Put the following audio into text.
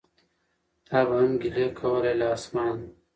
تا به هم ګیلې کولای له اسمانه